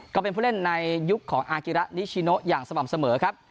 ก็เป็นผู้เล่นในยุคของอากิระนิชิโนอย่างสม่ำเสมอครับ